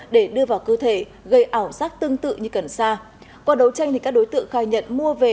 để đưa vào cơ thể gây ảo giác tương tự như cần xa qua đấu tranh thì các đối tượng khai nhận mua về